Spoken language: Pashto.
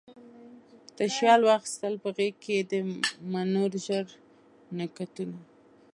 تشیال واخیستل په غیږکې، د مڼو ژړ نګهتونه